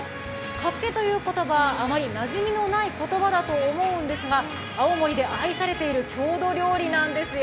かっけという言葉、あまりなじみのない言葉だと思いますが、青森で愛されている郷土料理なんですよ。